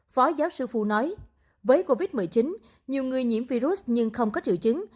phó giáo sư phu nói với covid một mươi chín nhiều người nhiễm virus nhưng không có triệu chứng